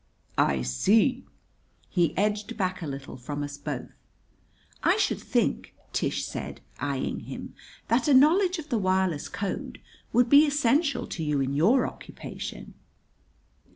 "I see!" He edged back a little from us both. "I should think," Tish said, eyeing him, "that a knowledge of the wireless code would be essential to you in your occupation."